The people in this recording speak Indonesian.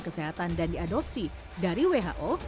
kesehatan dan diadopsi dari who